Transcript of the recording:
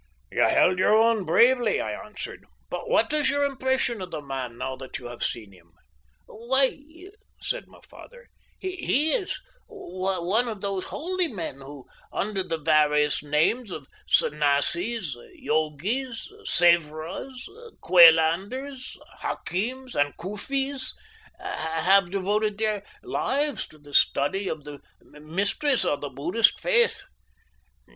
"You held your own bravely," I answered, "but what is your impression of the man now that you have seen him?" "Why," said my father, "he is one of those holy men who, under the various names of Sannasis, Yogis, Sevras, Qualanders, Hakims, and Cufis have devoted their lives to the study of the mysteries of the Buddhist faith.